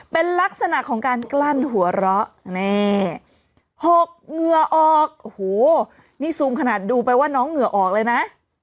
เป็นลักษณะของการกลั้นหัวเราะนี่หกเหงื่อออกโอ้โหนี่ซูมขนาดดูไปว่าน้องเหงื่อออกเลยนะ